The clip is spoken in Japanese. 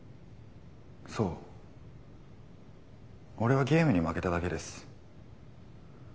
そうオレはゲームに負けただけです。